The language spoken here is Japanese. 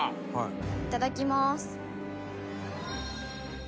いただきます。